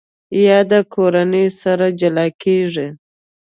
یاده کورنۍ سره جلا کېږي.